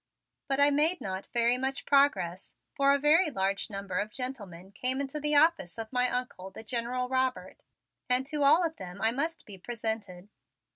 But I made not very much progress, for a very large number of gentlemen came into the office of my Uncle, the General Robert, and to all of them I must be presented.